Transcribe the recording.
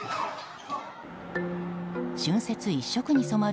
春節一色に染まる